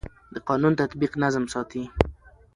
د قانون تطبیق نظم ساتي